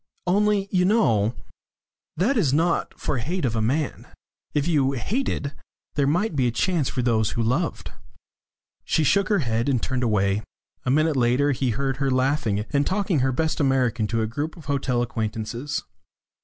"Only you know that is not for hate of a man. If you hated, there might be a chance for those who loved." She shook her head and turned away. A minute later he heard her laughing, and talking her best American to a group of hotel acquaintances.